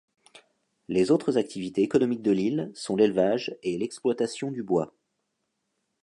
Les autres activités économiques de l'île sont l'élevage et l'exploitation du bois.